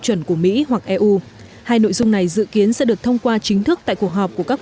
chuẩn của mỹ hoặc eu hai nội dung này dự kiến sẽ được thông qua chính thức tại cuộc họp của các